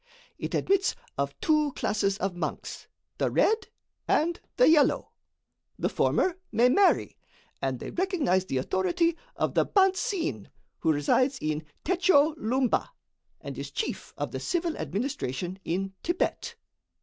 It admits of two classes of monks, the red and the yellow. The former may marry, and they recognize the authority of the Bantsine, who resides in Techow Loumba, and is chief of the civil administration in Thibet.